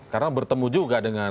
karena bertemu juga dengan